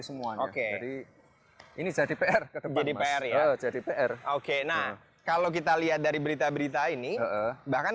semuanya oke jadi ini jadi pr jadi pr ya jadi pr oke nah kalau kita lihat dari berita berita ini bahkan